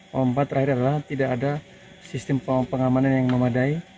yang keempat tidak ada sistem pengamanan yang memadai